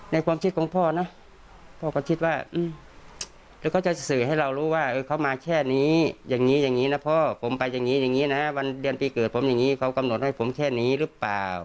ความคิดของพ่อนะพ่อก็คิดว่าเดี๋ยวเขาจะสื่อให้เรารู้ว่าเขามาแค่นี้อย่างนี้อย่างนี้นะพ่อผมไปอย่างนี้อย่างนี้นะวันเดือนปีเกิดผมอย่างนี้เขากำหนดให้ผมแค่นี้หรือเปล่า